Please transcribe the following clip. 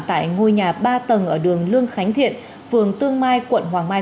tại ngôi nhà ba tầng ở đường lương khánh thiện phường tương mai quận hoàng mai